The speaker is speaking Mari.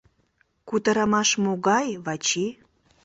Кутырымаш могай, Вачи?